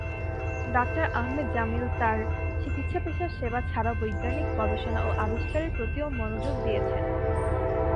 Doctor Ahmad Jamil তার চিকিৎসাপেশায় সেবা ছাড়াও বৈজ্ঞানিক গবেষণা ও আবিষ্কারের প্রতিও মনোযোগ দিয়েছেন।